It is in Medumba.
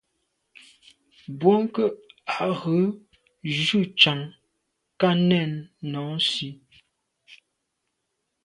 Bwɔ́ŋkə́h à’ghə̀ jʉ́ chàŋ ká nɛ́ɛ̀n nɔɔ́nsí.